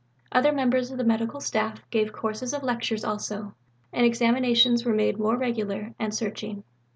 Other members of the Medical Staff gave courses of lectures also, and examinations were made more regular and searching.